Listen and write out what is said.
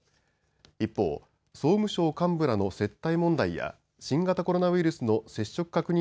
一方、総務省幹部らの接待問題や新型コロナウイルスの接触確認